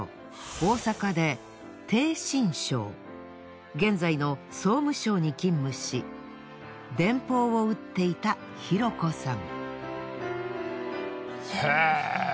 大阪で逓信省現在の総務省に勤務し電報を打っていた尋子さん。